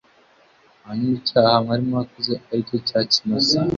hanyuma icyaha mwari mwakoze, ari cyo cya kimasa,